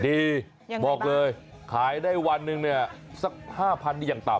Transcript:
บอกเลยขายได้วันหนึ่งเนี่ยสัก๕๐๐นี่อย่างต่ำ